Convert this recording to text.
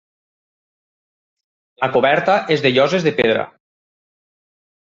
La coberta és de lloses de pedra.